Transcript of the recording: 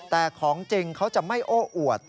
แต่ของจริงเขาจะไม่โอ้อวด